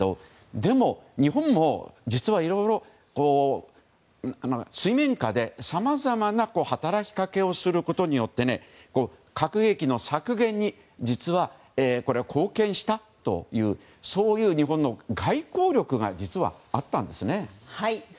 でも、日本も実はいろいろ水面下でさまざまな働きかけをすることによって核兵器の削減に実は、貢献したというそういう日本の外交力が実はあったんですよね。